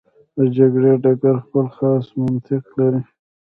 د جګړې ډګر خپل خاص منطق لري.